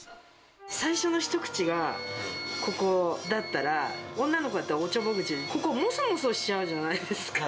最初の一口が、ここだったら、女の子だったらおちょぼ口で、ここ、もそもそしちゃうじゃないですか。